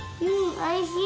おいしい！